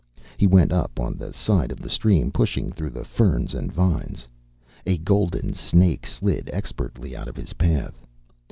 He went up on the side of the stream, pushing through the ferns and vines. A golden snake slid expertly out of his path.